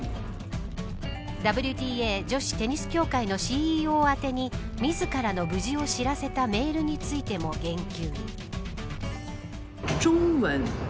ＷＴＡ女子テニス協会のＣＥＯ宛てに自らの無事を知らせたメールについても言及。